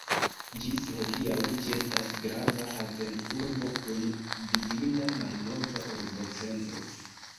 Ĝis hodiaŭ ĝi estas grava haven-urbo kun vidinda malnova urbocentro.